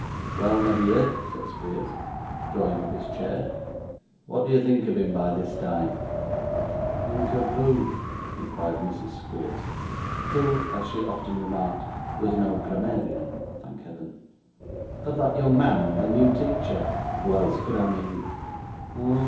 'Well, my dear,' said Squeers, drawing up his chair, 'what do you think of him by this time?' 'Think of who?' inquired Mrs. Squeers; who (as she often remarked) was no grammarian, thank Heaven. 'Of the young man the new teacher who else could I mean?